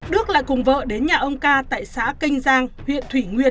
đức lại cùng vợ đến nhà ông ca tại xã kênh giang huyện thủy nguyên